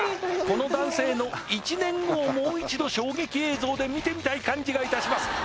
この男性の１年後をもう一度衝撃映像で見たい感じがします